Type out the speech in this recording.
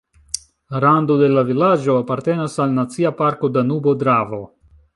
Rando de la vilaĝo apartenas al Nacia parko Danubo-Dravo.